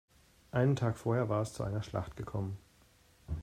Einen Tag vorher war es zu einer Schlacht gekommen.